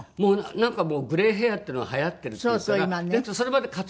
なんかグレイヘアっていうのがはやってるっていうから。